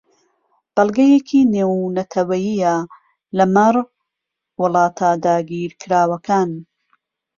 بەڵگەیەکی نێونەتەوەیییە لەمەڕ وڵاتە داگیرکراوەکان